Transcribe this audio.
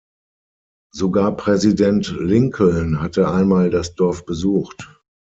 Sogar Präsident Lincoln hatte einmal das Dorf besucht.